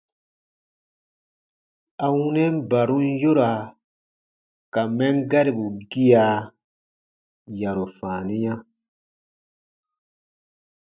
A wunɛn barum yoraa ka mɛn garibu gia, yarumaniya.